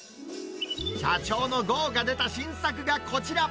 社長のＧＯが出た新作がこちら。